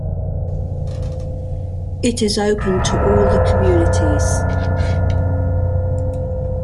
It is open to all the communities.